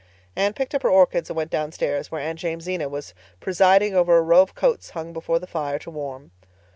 Anne picked up her orchids and went downstairs, where Aunt Jamesina was presiding over a row of coats hung before the fire to warm.